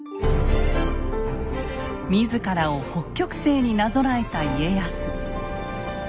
自らを北極星になぞらえた家康。